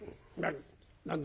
何だ？